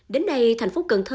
đến nay thành phố cần thơ